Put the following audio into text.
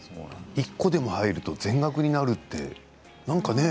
１個でも入ると全額になるってなんかね。